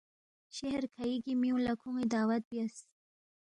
شہر کھئِگی میُونگ لہ کھون٘ی دعوت بیاس